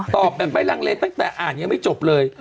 แบบไม่ลังเลตั้งแต่อ่านยังไม่จบเลย